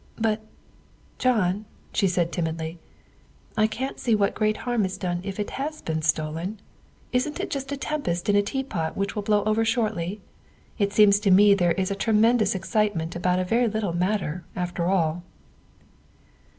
" But, John," she said timidly, " I can't see what great harm is done if it has been stolen. Isn't it just a tempest in a teapot which will blow over shortly? It seems to me there is a tremendous excitement about a very little matter, after all."